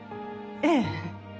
ええ。